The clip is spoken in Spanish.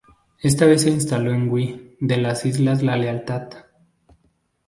Esta vez se instaló en We de las islas La Lealtad.